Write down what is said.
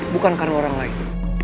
bukan karena orang lain